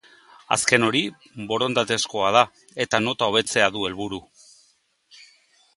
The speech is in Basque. Azken hori, borondatezkoa da eta nota hobetzea du helburu.